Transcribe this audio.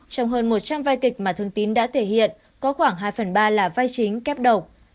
trong hơn một trăm linh vai kịch mà thương tín đã thể hiện có khoảng hai phần ba là vai chính kép độc